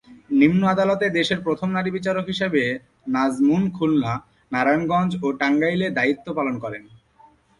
নিম্ন আদালতে দেশের প্রথম নারী বিচারক হিসেবে নাজমুন খুলনা, নারায়ণগঞ্জ ও টাঙ্গাইলে দায়িত্ব পালন করেন।